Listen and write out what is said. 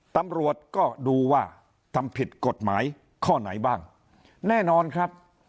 ตำรวจก็ดูว่าทำผิดกฎหมายข้อไหนบ้างแน่นอนครับ